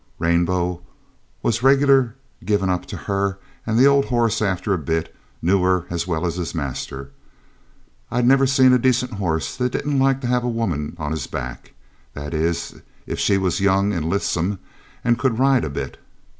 Rainbow was regular given up to her, and the old horse after a bit knew her as well as his master. I never seen a decent horse that didn't like to have a woman on his back; that is, if she was young and lissom and could ride a bit.